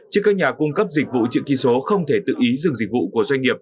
chứ các nhà cung cấp dịch vụ chữ ký số không thể tự ý dừng dịch vụ của doanh nghiệp